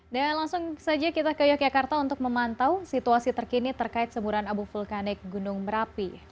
dan langsung saja kita ke yogyakarta untuk memantau situasi terkini terkait semburan abu vulkanik gunung merapi